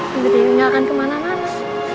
tapi dewi gak akan kemana mana